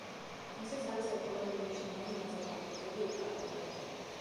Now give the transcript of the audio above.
ესეც არის ერთგვარი მინიშნება იმაზე, რომ ბურთები იკარგება.